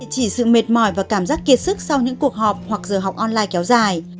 chỉ sự mệt mỏi và cảm giác kiệt sức sau những cuộc họp hoặc giờ học online kéo dài